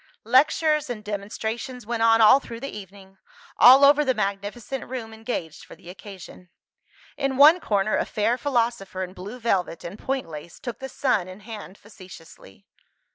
Lectures and demonstrations went on all through the evening, all over the magnificent room engaged for the occasion. In one corner, a fair philosopher in blue velvet and point lace, took the Sun in hand facetiously.